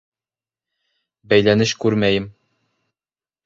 Бәйләнеш күрмәйем.